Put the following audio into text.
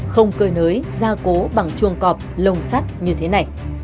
không cười nới ra cố bằng chuồng cọp lồng sắt như thế này